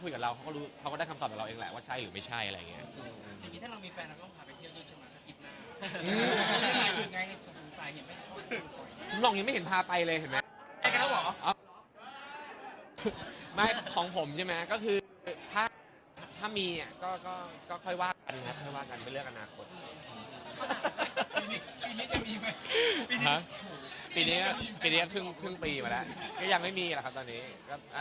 คือคนเขาแค่อาจจะแบบว่าสงสัยว่าเป็นใครมากกว่า